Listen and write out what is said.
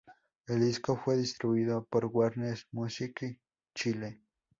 El disco fue distribuido por Warner Music Chile.